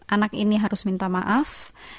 anak ini harus minta maaf